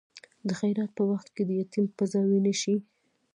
د خیرات په وخت کې د یتیم پزه وینې شي.